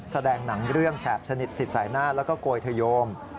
แสดงหนังเรื่องแสบสนิทสิทธิ์สายหน้าแล้วก็โกยเธอโยม